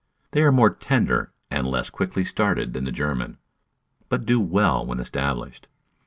They are more tender and less quickly started than the German, but do well when established.